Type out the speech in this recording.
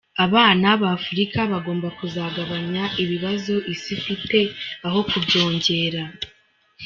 Abana ba Afurika bagomba kuzagabanya ibibazo isi ifite aho kubyongera.